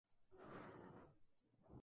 Posteriormente se unió a la banda de Sun Ra.